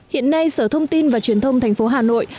hiện nay sở thông tin và truyền thông thành phố hà nội